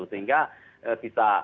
sehingga bisa tetap bertahan selamat dan